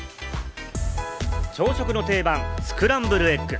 朝食の定番、スクランブルエッグ。